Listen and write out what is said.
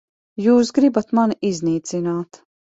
Jūs gribat mani iznīcināt.